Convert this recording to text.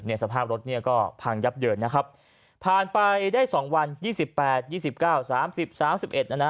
เนี่ยสภาพรถเนี่ยก็พังยับเดินนะครับผ่านไปได้๒วัน๒๘๒๙๓๐๓๑นั้นนะ